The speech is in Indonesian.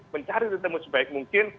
mencari temuan sebaik mungkin